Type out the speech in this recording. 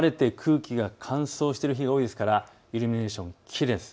晴れて空気が乾燥している日が多いですからイルミネーション、きれいです。